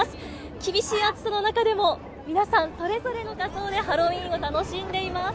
厳しい暑さの中でも、皆さん、それぞれの仮装でハロウィーンを楽しんでいます。